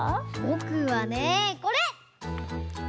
ぼくはねこれ！